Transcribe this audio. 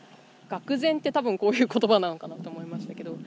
がく然って多分こういう言葉なのかなと思いましたけど。